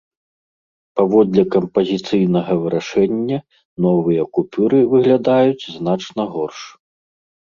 Паводле кампазіцыйнага вырашэння, новыя купюры выглядаюць значна горш.